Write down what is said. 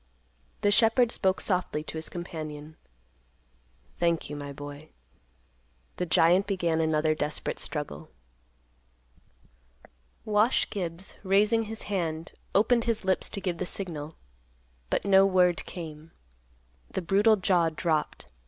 The shepherd spoke softly to his companion, "Thank you, my boy." The giant began another desperate struggle. Wash Gibbs, raising his hand, opened his lips to give the signal. But no word came. The brutal jaw dropped.